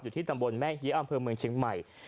ที่ตำบลแม่เฮียอำเภอเมืองเชียงใหม่